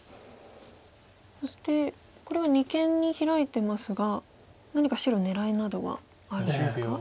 そしてこれは二間にヒラいてますが何か白狙いなどはあるんですか？